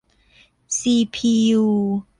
ซีพียู